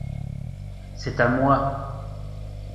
C’est à moi.